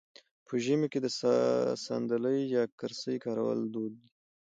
په ژمي کې د ساندلۍ یا کرسۍ کارول دود دی.